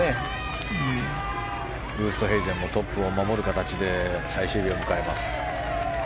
ウーストヘイゼンもトップを守る形で最終日を迎えます。